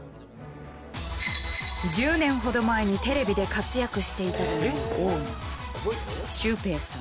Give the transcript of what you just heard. １０年ほど前にテレビで活躍していたというオーナー。